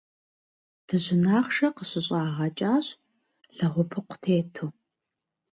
Дыжьын ахъшэ къыщыщӏагъэкӏащ лэгъупыкъу тету.